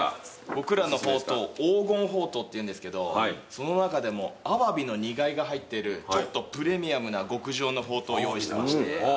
僕らのほうとう黄金ほうとうっていうんですけどその中でもアワビの煮貝が入ってるちょっとプレミアムな極上のほうとうを用意してまして。